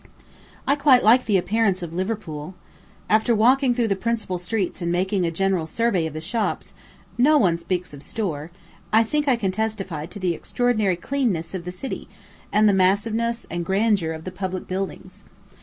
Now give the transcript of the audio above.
I quite like the appearance of Liverpool. After walking through the principal streets and making a general survey of the shops, no one speaks of store, I think I can testify to the extraordinary cleanness of the city, and the massiveness and grandeur of the public buildings.